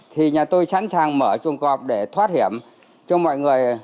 thì nhà tôi sẵn sàng mở chuồng cọp để thoát hiểm cho mọi người